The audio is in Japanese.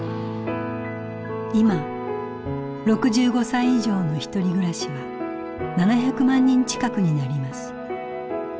今６５歳以上のひとり暮らしは７００万人近くになります。